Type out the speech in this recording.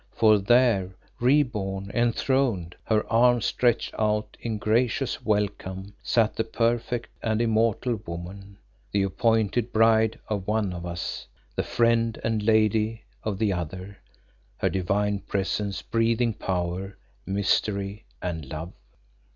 For there re born, enthroned, her arms stretched out in gracious welcome, sat that perfect and immortal woman, the appointed bride of one of us, the friend and lady of the other, her divine presence breathing power, mystery and love.